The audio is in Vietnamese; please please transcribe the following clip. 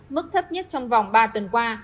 mức thấp nhất trong vòng ba tuần qua